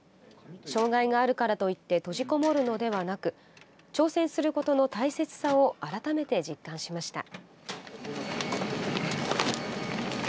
障害があるからといって閉じこもるのではなく挑戦することの大切さを改めて実感しました。